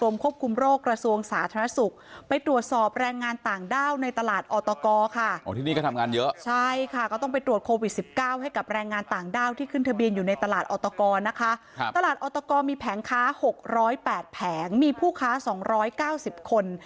มีแผงค้า๖๐๘แผงมีผู้ค้า๒๙๐คน